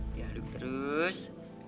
dia aduk terus